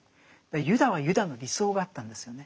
ユダはユダの理想があったんですよね。